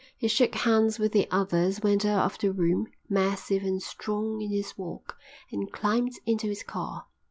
He shook hands with the others, went out of the room, massive and strong in his walk, and climbed into his car.